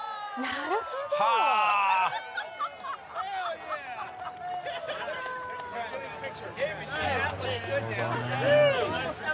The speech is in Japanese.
なるほどね。